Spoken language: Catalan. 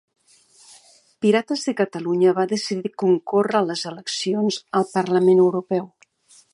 Pirates de Catalunya va decidir concórrer les eleccions al Parlament Europeu.